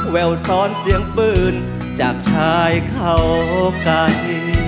แววซ้อนเสียงปืนจากชายเขากัน